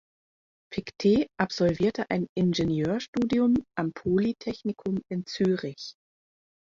Pictet absolvierte ein Ingenieurstudium am Polytechnikum in Zürich.